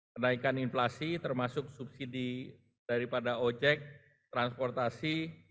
kenaikan inflasi termasuk subsidi daripada ojek transportasi